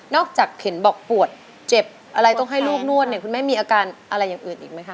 นอกจากเข็นบอกปวดเจ็บอะไรต้องให้ลูกนวดคุณแม่มีอาการอะไรอืดอีกไหมคะ